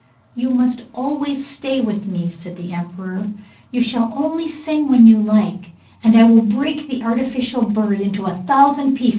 'You must always stay with me!' said the emperor. 'You shall only sing when you like, and I will break the artificial bird into a thousand pieces!'